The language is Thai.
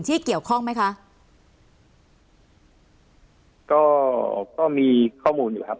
ที่เกี่ยวข้องไหมคะก็ก็มีข้อมูลอยู่ครับ